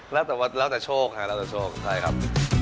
แล้วแต่ว่าแล้วแต่โชคฮะแล้วแต่โชคใช่ครับ